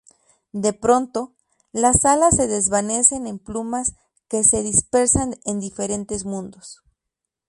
De pronto, las alas se desvanecen en plumas que se dispersan en diferentes mundos.